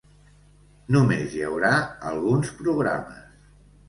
Només hi haurà alguns programes.